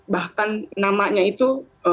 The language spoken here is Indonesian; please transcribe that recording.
bahkan namanya itu